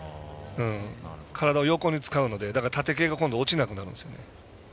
体を横に使うのでだから縦系が今度落ちなくなるんですよね。